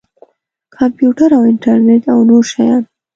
کمپیوټر او انټرنټ او نور شیان.